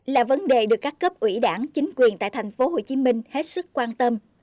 là vấn đề được các cấp ủy đảng chính quyền tại thành phố hồ chí minh hết sức quan tâm